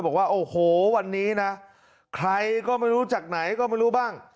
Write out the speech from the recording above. บอกว่าโอ้โหวันนี้นะใครก็ไม่รู้จากไหนก็ไม่รู้บ้าง